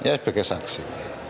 ya sebagai saksi